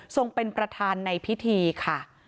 เป็นประธานในพิธีค่ะ